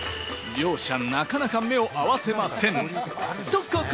両者、なかなか目を合わせません。